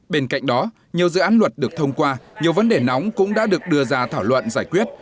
bên cạnh đó nhiều dự án luật được thông qua nhiều vấn đề nóng cũng đã được đưa ra thảo luận giải quyết